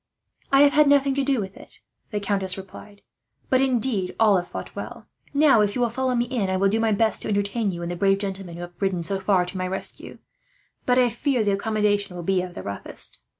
"I have had nothing to do with it," the countess replied; "but indeed, all have fought well. "Now, if you will follow me in, I will do my best to entertain you and the brave gentlemen who have ridden so far to my rescue; but I fear the accommodation will be of the roughest."